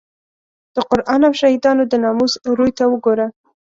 د قران او شهیدانو د ناموس روی ته وګوره.